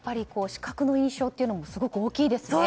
視覚の印象ってすごく大きいですね。